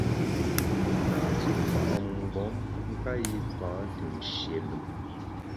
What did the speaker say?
Me na mfa’ mgbom nka yipa te nshie lùm.